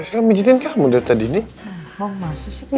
gak salah pijetin kamu dari tadi nih